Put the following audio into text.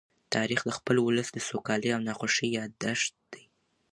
تاریخ د خپل ولس د سوکالۍ او ناخوښۍ يادښت دی.